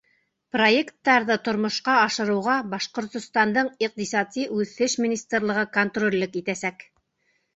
Проекттарҙы тормошҡа ашырыуға Башҡортостандың Иҡтисади үҫеш министрлығы контроллек итәсәк.